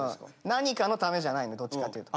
何かのためじゃないのどっちかっていうと。